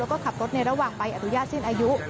แล้วก็ขับรถในระหว่างใบอนุญาตสิ้นอายุ